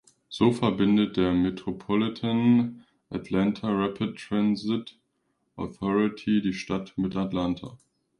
So verbindet der Metropolitan Atlanta Rapid Transit Authority die Stadt mit Atlanta.